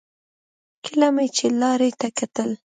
کله مې چې لارې ته کتل.